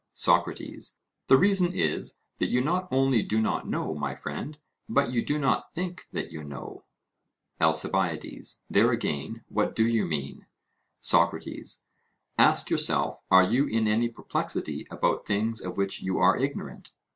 SOCRATES: The reason is, that you not only do not know, my friend, but you do not think that you know. ALCIBIADES: There again; what do you mean? SOCRATES: Ask yourself; are you in any perplexity about things of which you are ignorant?